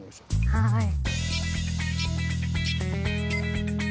はい。